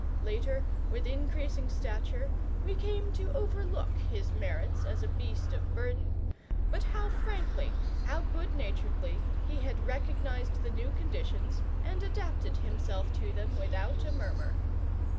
Later, with increasing stature, we came to overlook his merits as a beast of burden; but how frankly, how good naturedly, he had recognized the new conditions, and adapted himself to them without a murmur!